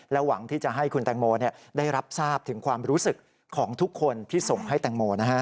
หวังที่จะให้คุณแตงโมได้รับทราบถึงความรู้สึกของทุกคนที่ส่งให้แตงโม